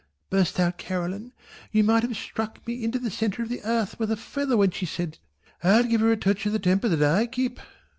bursts out Caroline (you might have struck me into the centre of the earth with a feather when she said it) "I'll give her a touch of the temper that I keep!"